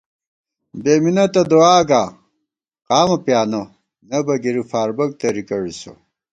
بےمِنَتہ دُعا گا قامہ پیانہ نئیبہ گِری فاربَک تری کڑِسہ